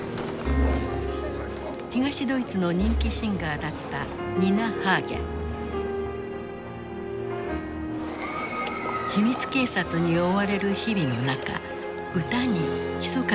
東ドイツの人気シンガーだった秘密警察に追われる日々の中歌にひそかなメッセージを込めた。